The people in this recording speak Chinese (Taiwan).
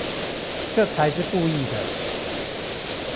這才是故意的